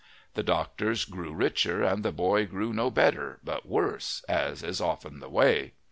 The doctors grew richer and the boy grew no better but worse, as is often the way.